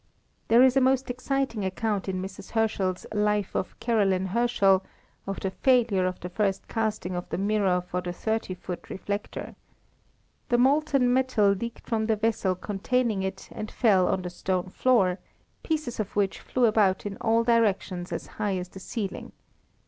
There is a most exciting account in Mrs. Herschel's Life of Caroline Herschel, of the failure of the first casting of the mirror for the thirty foot reflector. The molten metal leaked from the vessel containing it and fell on the stone floor, pieces of which flew about in all directions as high as the ceiling.